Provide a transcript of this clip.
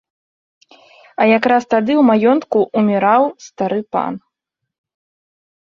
А якраз тады ў маёнтку ўміраў стары пан.